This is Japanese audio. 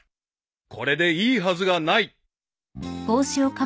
［これでいいはずがない］